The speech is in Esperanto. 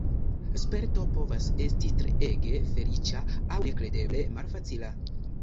Sperto povas esti treege feliĉa aŭ nekredeble malfacila.